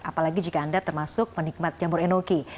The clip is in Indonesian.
apalagi jika anda termasuk penikmat jamur enoki